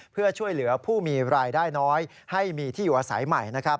เพื่อช่วยเหลือผู้มีรายได้น้อยให้มีที่อยู่อาศัยใหม่นะครับ